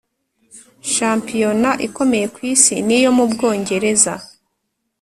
shampiyona ikomeye ku isi ni iyo mu Bwongereza